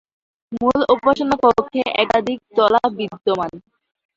মূল উপাসনা কক্ষে একাধিক তলা বিদ্যমান।